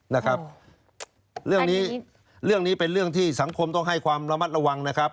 นะครับเรื่องนี้เรื่องนี้เป็นเรื่องที่สังคมต้องให้ความระมัดระวังนะครับ